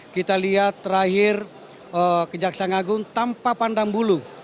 kita lihat terakhir kejaksaan agung tanpa pandang bulu